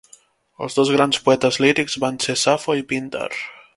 Els dos grans poetes lírics van ser Safo i Píndar.